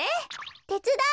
てつだう。